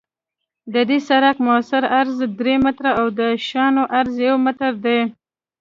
د دې سرک مؤثر عرض درې متره او د شانو عرض یو متر دی